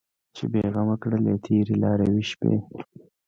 چې بې غمه کړلې تېرې لاروي شپې